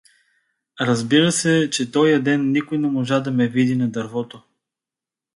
Разбира се, че тоя ден никой не можа да ме види на дървото.